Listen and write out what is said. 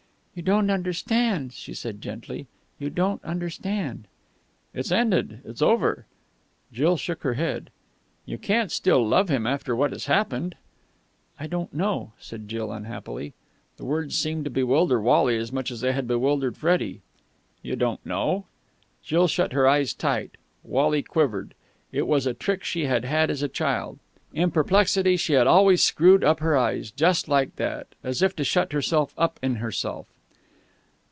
"You don't understand," she said gently. "You don't understand." "It's ended. It's over." Jill shook her head. "You can't still love him, after what has happened!" "I don't know," said Jill unhappily. The words seemed to bewilder Wally as much as they had bewildered Freddie. "You don't know?" Jill shut her eyes tight. Wally quivered. It was a trick she had had as a child. In perplexity, she had always screwed up her eyes just like that, as if to shut herself up in herself.